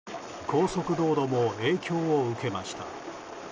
高速道路も影響を受けました。